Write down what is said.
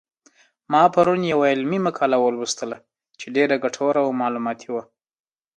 ما پرون یوه علمي مقاله ولوستله چې ډېره ګټوره او معلوماتي وه